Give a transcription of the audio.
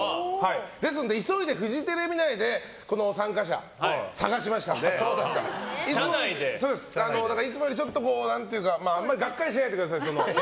ですので急いでフジテレビ内で参加者探しましたのでいつもより、ちょっとあんまりがっかりしないでください。